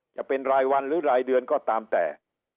จะเป็นรายวันหรือรายเดือนก็ตามแต่